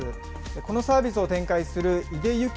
このサービスを展開する井出有希